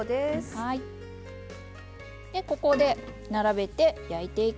ここで並べて焼いていきます。